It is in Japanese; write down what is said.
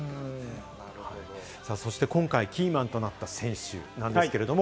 そして今回、キーマンとなった選手なんですけれども。